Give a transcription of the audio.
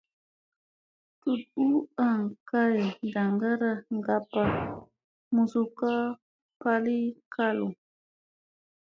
Tut u an kay ndaŋgara ngappa muzukka ɓali kalu.